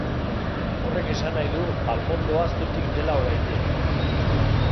Horrek esan nahi du palmondoa zutik dela oraindik.